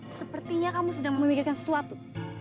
sepertinya kamu sedang memikirkan sesuatu